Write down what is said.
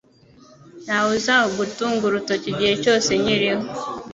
Ntawe uzagutunga urutoki igihe cyose nkiriho